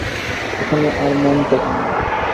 এখানে আর মন টেকে না।